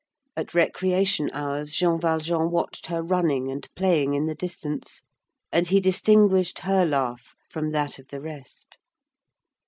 At recreation hours, Jean Valjean watched her running and playing in the distance, and he distinguished her laugh from that of the rest.